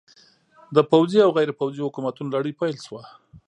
د پوځي او غیر پوځي حکومتونو لړۍ پیل شوه.